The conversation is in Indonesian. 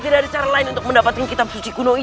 tidak ada cara lain untuk mendapatkan kitab suci kudus